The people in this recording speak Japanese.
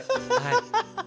アハハハハ！